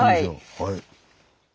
はい。